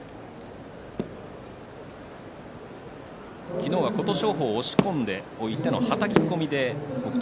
昨日は琴勝峰を押し込んでおいてのはたき込みで北勝